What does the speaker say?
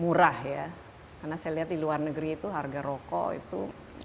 murah ya karena saya lihat di luar negeri itu harga rokok itu